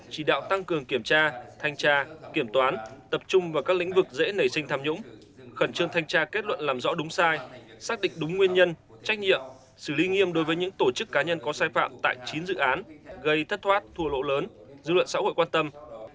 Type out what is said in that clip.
chỉ đạo tăng cường kiểm tra thanh tra kiểm toán tập trung vào các lĩnh vực dễ nảy sinh tham nhũng khẩn trương thanh tra kết luận làm rõ đúng sai xác định đúng nguyên nhân trách nhiệm xử lý nghiêm đối với những tổ chức cá nhân có sai phạm tại chín dự án gây thất thoát thua lỗ lớn dư luận xã hội quan tâm